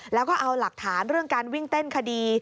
แล้วก็เอาหลักฐานเรื่องการวิ่งเต้นคดี